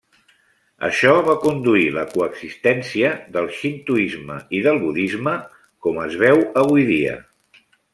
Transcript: Això va conduir la coexistència del xintoisme i del budisme com es veu avui dia.